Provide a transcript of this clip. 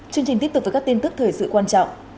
chương trình tiếp tục với các tin tức thời sự quan trọng